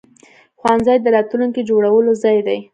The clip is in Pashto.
ښوونځی د راتلونکي جوړولو ځای دی.